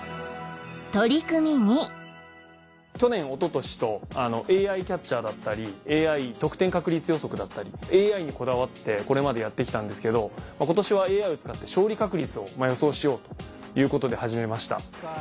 去年一昨年とＡＩキャッチャーだったりＡＩ得点確率予測だったりＡＩにこだわってこれまでやって来たんですけど今年はＡＩを使って勝利確率を予想しようということで始めました。